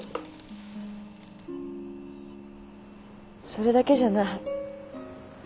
それだけじゃない。